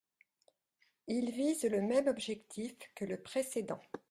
Il vise le même objectif que le précédent.